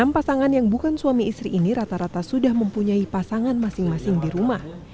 enam pasangan yang bukan suami istri ini rata rata sudah mempunyai pasangan masing masing di rumah